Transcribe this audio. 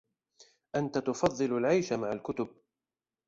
أنتَ تفضِّل العيش مع الكتب.